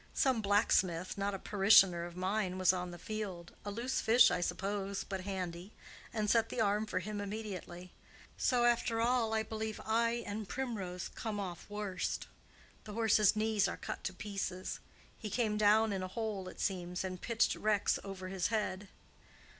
Some blacksmith—not a parishioner of mine—was on the field—a loose fish, I suppose, but handy, and set the arm for him immediately. So after all, I believe, I and Primrose come off worst. The horse's knees are cut to pieces. He came down in a hole, it seems, and pitched Rex over his head."